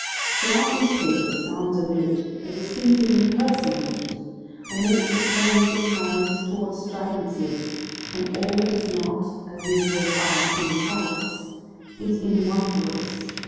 Throughout these papers sounds a note, a distinctive and personal note, a note that tends at times towards stridency; and all that is not, as these words are, in Italics, is in one Voice.